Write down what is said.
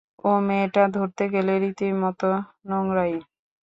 ও মেয়েটা, ধরতে গেলে, রীতিমতো নোংরাই।